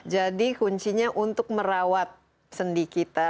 jadi kuncinya untuk merawat sendi kita